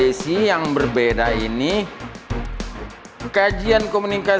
ini kan ini masih jam kuliah